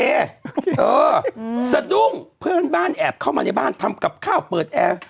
เออสะดุ้งเพื่อนบ้านแอบเข้ามาในบ้านทำกับข้าวเปิดแอร์